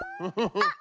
あっ！